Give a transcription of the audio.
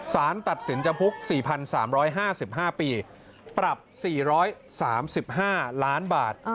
สารตัดสินจำคุก๔๓๕๕ปีปรับ๔๓๕ล้านบาท